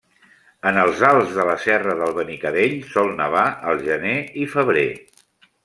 En els alts de la serra del Benicadell sol nevar al gener i febrer.